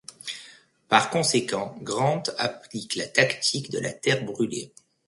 Par conséquent, Grant applique la tactique de la terre brûlée.